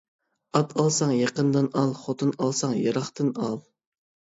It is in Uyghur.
ئات ئالساڭ، يېقىندىن ئال، خوتۇن ئالساڭ، يىراقتىن ئال.